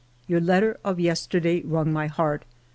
"Your letter of yesterday wrung my heart.